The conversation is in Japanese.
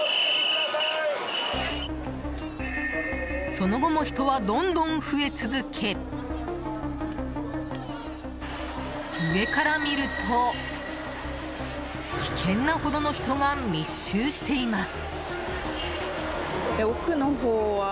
その後も人はどんどん増え続け上から見ると危険なほどの人が密集しています。